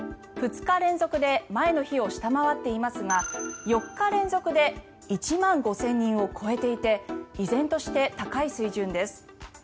２日連続で前の日を下回っていますが４日連続で１万５０００人を超えていて依然として高い水準です。